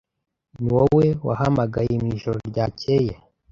Niwowe wahamagaye mwijoro ryakeye?